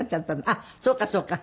あっそうかそうか。